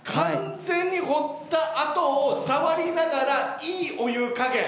掘ったあとを触りながら、いいお湯加減。